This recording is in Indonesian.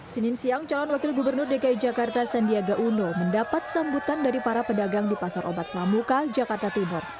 senin siang calon wakil gubernur dki jakarta sandiaga uno mendapat sambutan dari para pedagang di pasar obat pramuka jakarta timur